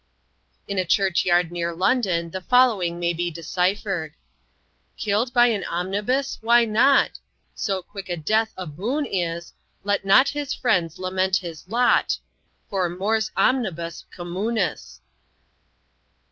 In a church yard near London the following may be deciphered: "Killed by an omnibus why not? So quick a death a boon is Let not his friends lament his lot For mors omnibus communis."